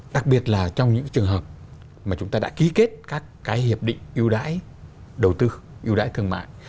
đặc biệt là trong những trường hợp mà chúng ta đã ký kết các cái hiệp định ưu đãi đầu tư ưu đãi thương mại